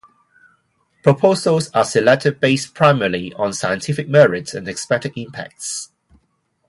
Proposals are selected based primarily on scientific merits and expected impacts.